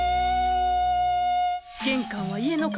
玄関は家の顔。